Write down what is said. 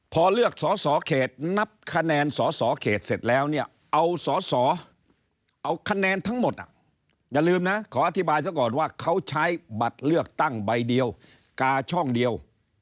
พอเลือกสอสอเขตนับคะแนนสอสอเขตเสร็จแล้วเนี่ยเอาสอสอเอาคะแนนทั้งหมดอย่าลืมนะขออธิบายซะก่อนว่าเขาใช้บัตรเลือกตั้งใบเดียวกาช่องเดียว